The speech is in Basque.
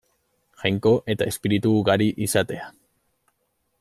Jainko eta espiritu ugari izatea.